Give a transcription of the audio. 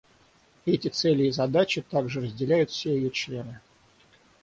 Эти цели и задачи также разделяют все ее члены.